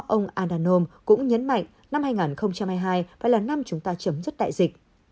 sau đó ông adhanom cũng nhấn mạnh năm hai nghìn hai mươi hai phải là năm chúng ta chấm dứt đại dịch